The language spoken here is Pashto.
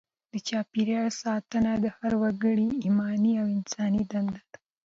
د چاپیریال ساتنه د هر وګړي ایماني او انساني دنده ده.